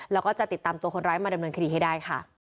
แล้วก็จะติดตามตัวคนร้ายมาดำเนินคดีให้ได้ค่ะ